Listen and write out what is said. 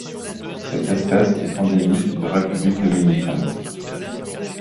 Cette espèce est endémique de République dominicaine.